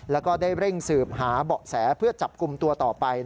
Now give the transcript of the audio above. แล้วก็ได้เร่งสืบหาเบาะแสเพื่อจับกลุ่มตัวต่อไป